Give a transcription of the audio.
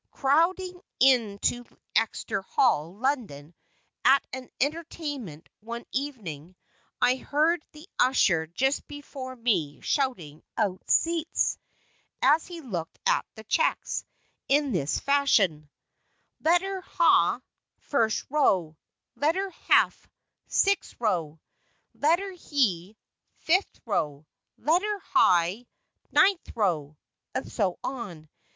Crowding into Exeter Hall, London, at an entertainment, one evening, I heard the usher just before me shouting out seats, as he looked at the checks, in this fashion: "Letter Ha, first row; letter Hef, sixth row; letter He, fifth row; letter Hi, ninth row"; and so on.